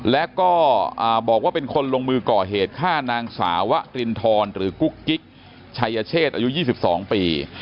และก็บอกว่าเป็นคนลงมือก่อเหตุฆ่านางสาวะรินทรหรือกุ๊กกิ๊กชัยเชษอายุ๒๒ปี